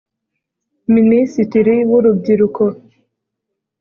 Minisitiri w’Urubyiruko